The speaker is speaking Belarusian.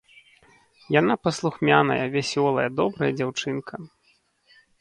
Яна паслухмяная, вясёлая, добрая дзяўчынка.